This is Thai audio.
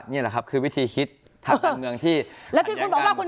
นี่แหละคือวิธีคิดภาคจังเมืองที่ถะแย้งกัน